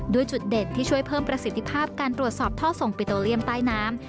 จุดเด็ดที่ช่วยเพิ่มประสิทธิภาพการตรวจสอบท่อส่งปิโตเลียมใต้น้ำ